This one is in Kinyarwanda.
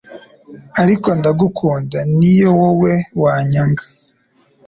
ariko ndagukunda. niyo woe wanyanga